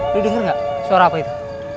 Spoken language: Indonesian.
lu denger gak suara apa itu